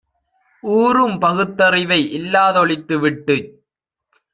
ஊறும் பகுத்தறிவை இல்லா தொழித்துவிட்டுச்